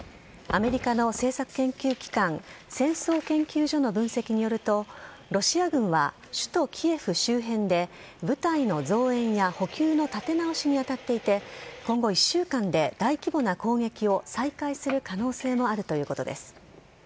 アメリカの政策研究機関、戦争研究所の分析によると、ロシア軍は首都キエフ周辺で部隊の増援や補給の立て直しに当たっていて、今後１週間で大規模な攻撃を再開する可能性もあるということです。